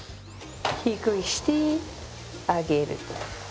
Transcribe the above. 低くして上げる。